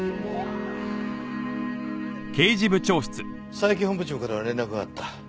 佐伯本部長から連絡があった。